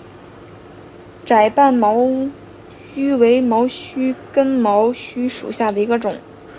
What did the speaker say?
窄瓣毛茛为毛茛科毛茛属下的一个种。